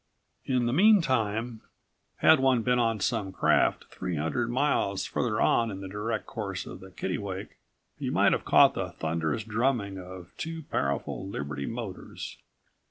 In the meantime, had one been on some craft three hundred miles farther on in the direct course of the Kittlewake, he might have138 caught the thunderous drumming of two powerful Liberty motors.